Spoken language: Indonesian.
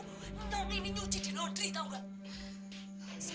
nyony ini nyuci di londri tau gak